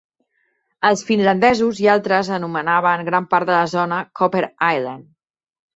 Els finlandesos i altres anomenaven gran part de la zona Copper Island.